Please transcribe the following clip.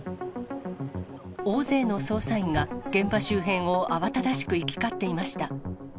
大勢の捜査員が、現場周辺を慌ただしく行き交っていました。